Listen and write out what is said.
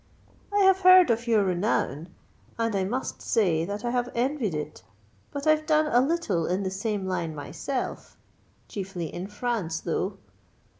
"I have heard of your renown, and must say that I have envied it. But I've done a little in the same line myself—chiefly in France, though.